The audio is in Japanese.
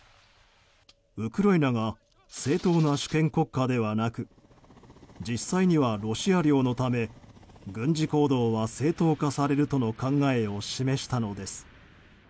ウクライナが正当な主権国家ではなく実際にはロシア領のため軍事行動は正当化されるとの考えを示したのです。